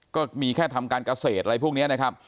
ก็มีแค่ทำการเกษตรอะไรพวกนี้นะครับ